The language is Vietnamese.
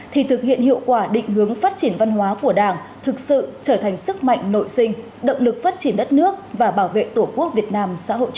thì thực hiện hiệu quả định hướng phát triển văn hóa của đảng thực sự trở thành sức mạnh nội sinh động lực phát triển đất nước và bảo vệ tổ quốc việt nam